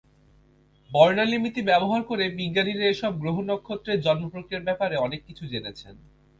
বর্ণালিমিতি ব্যবহার করে বিজ্ঞানীরা এসব গ্রহ-নক্ষত্রের জন্মপ্রক্রিয়ার ব্যপারে অনেক কিছু জেনেছেন।